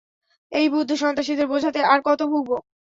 এই বুদ্ধু সন্ত্রাসীদের বোঝাতে আর কতো ভুগব?